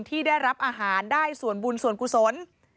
ที่ได้รับอาหารได้ส่วนบุญส่วนกุศล